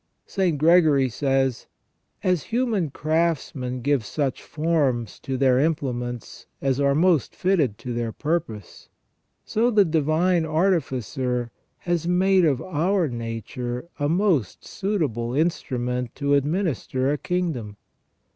St. Gregory says :" As human craftsmen give such forms to their implements as are most fitted to their purpose, so the Divine Artificer has made of our nature a most suitable instrument to administer a kingdom.